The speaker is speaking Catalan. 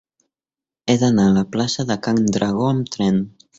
He d'anar a la plaça de Can Dragó amb tren.